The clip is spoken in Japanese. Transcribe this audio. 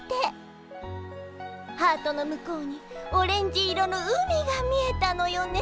ハートの向こうにオレンジ色の海が見えたのよね。